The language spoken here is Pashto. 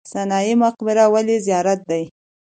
سنايي مقبره ولې زیارت دی؟